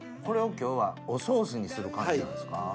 これを今日はおソースにする感じなんですか？